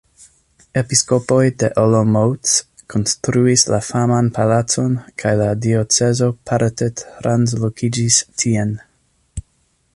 Episkopoj de Olomouc konstruis la faman Palacon kaj la diocezo parte translokiĝis tien.